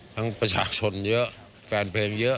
ประชาชนเยอะแฟนเพลงเยอะ